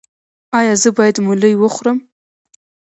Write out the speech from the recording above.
ایا زه باید ملی وخورم؟